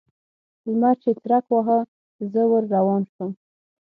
لمر چې څرک واهه؛ زه ور روان شوم.